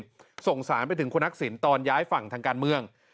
ส่งสารไปถึงคุณทักษิณตอนย้ายฝั่งทางการเมือง